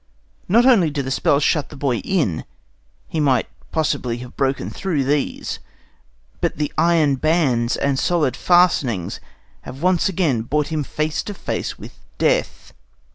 Not only do the spells shut the boy in he might possibly have broken through these but the iron bands and solid fastenings have once again brought him face to face with death.